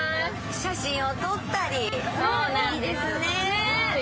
写真を撮ったり、いいですね。